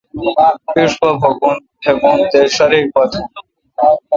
پِِݭ پا پھکون تے ݭا ریک پا تھون۔